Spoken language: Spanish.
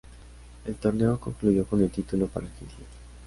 El torneo concluyó con el título para Argentina.